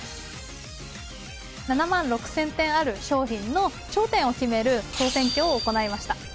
７万６０００点ある商品の頂点を決める総選挙を行いました。